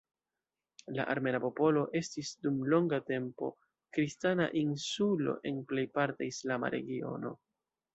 La armena popolo estis dum longa tempo, kristana "insulo" en plejparte islama regiono.